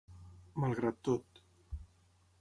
Malgrat tot.